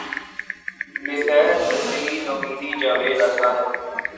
بہ فیض بیدلی نومیدیٴ جاوید آساں ہے